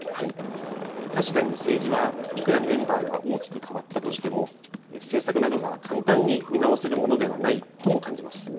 確かに政治はいくらメンバーが大きく変わったとしても政策などが簡単に見直せるものではないとも感じます。